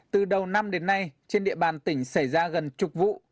từ đầu năm đến nay trên địa bàn tỉnh xảy ra gần chục vụ